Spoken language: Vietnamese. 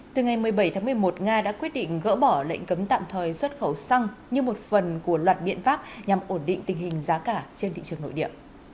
từ ngày một mươi bảy tháng một mươi một nga đã quyết định gỡ bỏ lệnh cấm tạm thời xuất khẩu xăng như một phần của loạt biện pháp nhằm ổn định tình hình giá cả trên thị trường nội địa